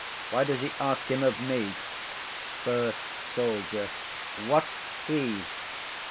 Why does he ask him of me? FIRST SOLDIER. What's he?